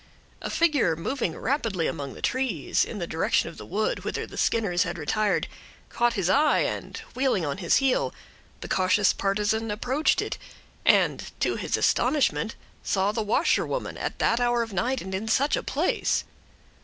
A figure moving rapidly among the trees, in the direction of the wood whither the Skinners had retired, caught his eye, and, wheeling on his heel, the cautious partisan approached it, and, to his astonishment, saw the washerwoman at that hour of the night, and in such a place.